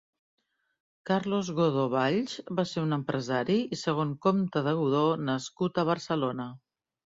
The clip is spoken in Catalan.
Carlos Godó Valls va ser un empresari i segon comte de Godó nascut a Barcelona.